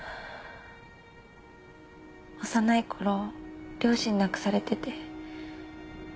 幼い頃両親亡くされてて。